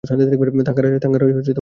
থাঙ্গারাজ, এসো।